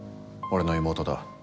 俺の妹だ。